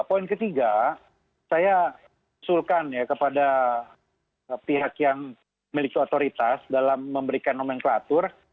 poin ketiga saya usulkan ya kepada pihak yang memiliki otoritas dalam memberikan nomenklatur